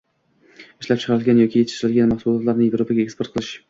Ishlab chiqarilgan yoki yetishtirilgan mahsulotlarni Yevropaga eksport qilish.